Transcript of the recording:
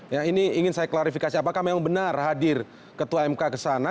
ya ini ingin saya klarifikasi apakah memang benar hadir ketua mk ke sana